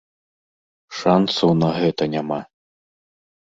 Шанцаў на гэта няма.